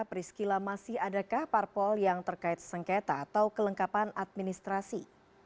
priscila masih adakah parpol yang terkait sengketa atau kelengkapan administrasi